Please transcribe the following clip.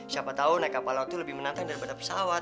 siapa tahu naik kapal laut itu lebih menantang daripada pesawat